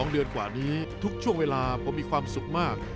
๒เดือนกว่านี้ทุกช่วงเวลาผมมีความสุขมาก